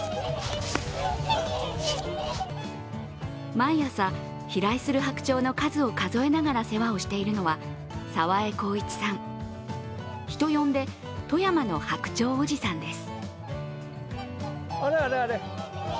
毎朝、飛来する白鳥の数を数えながら世話をしているのは澤江弘一さん、人呼んで、富山の白鳥おじさんです。